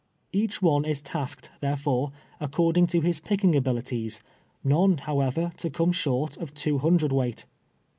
Each one is tasked, therefore, according to his picking abilities, none, however, to come short of two liundred weight.